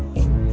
ya pak juna